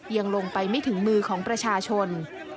ยังลงไปไม่ถึงมือของประชาชน